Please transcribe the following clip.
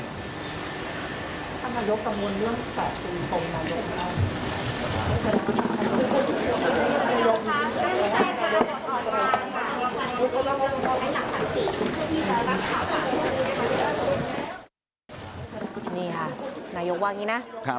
นายกว่าอย่างนี้นะ